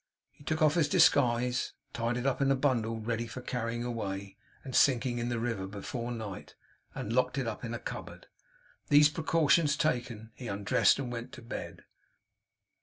He took off his disguise, tied it up in a bundle ready for carrying away and sinking in the river before night, and locked it up in a cupboard. These precautions taken, he undressed and went to bed.